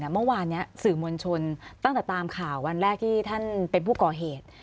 เมื่อวานนี้สื่อมวลชนตั้งแต่ตามข่าววันแรกที่ท่านเป็นผู้ก่อเหตุ